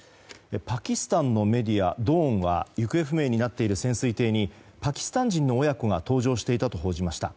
パキスタンのメディア、ドーンは行方不明になっている潜水艇にパキスタン人の親子が搭乗していたと報じました。